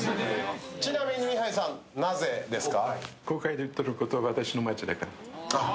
ちなみに、ミハイさん、なぜですか？